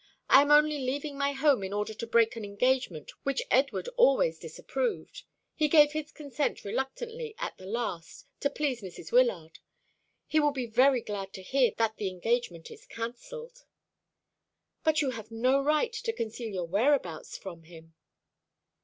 I am only leaving my home in order to break an engagement which Edward always disapproved. He gave his consent reluctantly at the last, to please Mrs. Wyllard. He will be very glad to hear that the engagement is cancelled." "But you have no right to conceal your whereabouts from him."